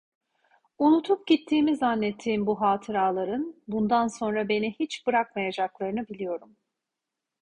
Unutup gittiğimi zannettiğim bu hatıraların, bundan sonra beni hiç bırakmayacaklarını biliyorum.